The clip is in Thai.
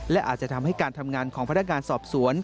และอาจจะทำให้การทำงานของพนักงานสอบสวน